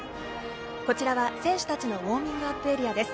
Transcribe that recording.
こちらは選手たちのウオーミングアップエリアです。